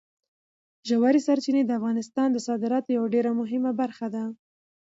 ژورې سرچینې د افغانستان د صادراتو یوه ډېره مهمه برخه ده.